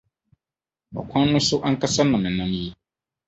Ɔkwan no so ankasa na menam yi? ’